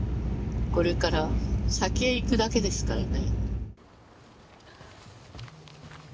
これから先へ行くだけですからね。